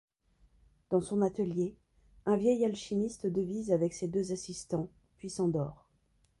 Dans son atelier, un vieil alchimiste devise avec ses deux assistants puis s’endort.